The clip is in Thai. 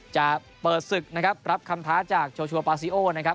จะเปิดศึกนะครับรับคำท้าจากโชชัวปาซิโอนะครับ